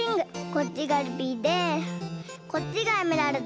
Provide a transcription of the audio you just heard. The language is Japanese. こっちがルビーでこっちがエメラルド。